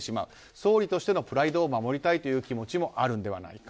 総理としてのプライドを守りたいという気持ちもあるのではないか。